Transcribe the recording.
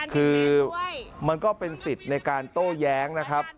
คือมันก็เป็นสิทธิ์ในการโต้แย้งนะครับ